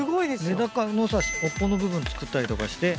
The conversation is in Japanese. メダカのさ尾っぽの部分作ったりとかして。